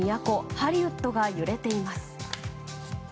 ハリウッドが揺れています。